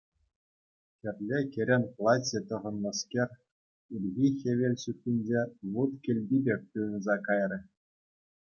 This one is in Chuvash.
Хӗрлӗ кӗрен платье тӑхӑннӑскер, ирхи хӗвел ҫутинче вут кӗлти пек туйӑнса кайрӗ.